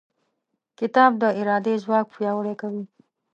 کتاب د ارادې ځواک پیاوړی کوي.